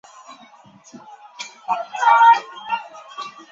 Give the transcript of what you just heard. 在场上的位置是中后卫。